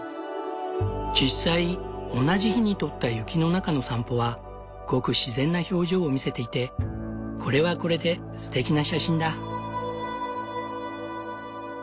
実際同じ日に撮った雪の中の散歩はごく自然な表情を見せていてこれはこれですてきな写真だ。